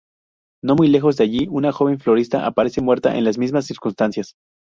No muy lejos de allí, una joven florista aparece muerta en las mismas circunstancias.